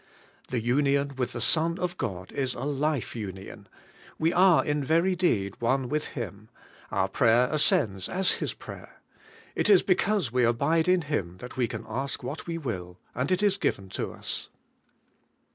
The union with the Son of God is a life union: we are in very deed one with Him, — our prayer ascends as His prayer. It is because we abide in Him that we can ask what we will, and it is given to us.